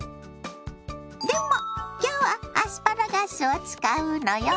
でも今日はアスパラガスを使うのよ。